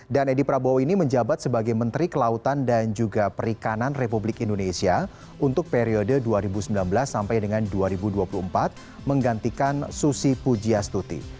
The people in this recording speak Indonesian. dan edi prabowo ini menjabat sebagai menteri kelautan dan juga perikanan republik indonesia untuk periode dua ribu sembilan belas sampai dengan dua ribu dua puluh empat menggantikan susi pujiastuti